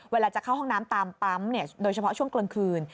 เวลาจะเข้าห้องน้ำตามปั๊มโดยเฉพาะช่วงกลางคืน